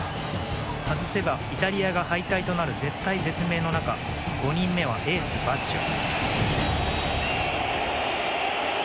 外せば、イタリアが敗退となる絶体絶命の中５人目はエース、バッジョ。